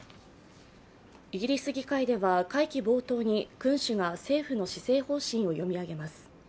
イギリス議会では、会期冒頭に君主が政府の施政方針を読み上げます。